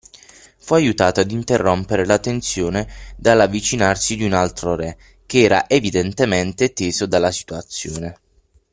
Fu aiutato ad interrompere la tensione dall’avvicinarsi di un altro re, che era evidentemente teso dalla situazione.